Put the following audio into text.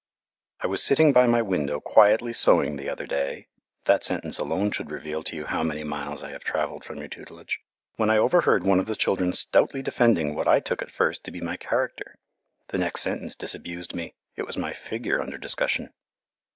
I was sitting by my window quietly sewing the other day (that sentence alone should reveal to you how many miles I have travelled from your tutelage) when I overheard one of the children stoutly defending what I took at first to be my character. The next sentence disabused me it was my figure under discussion.